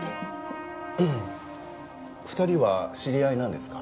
２人は知り合いなんですか？